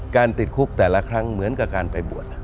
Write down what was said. ติดคุกแต่ละครั้งเหมือนกับการไปบวช